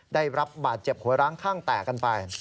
ได้รับบาดเจ็บหัวร้างข้างแตกกันไป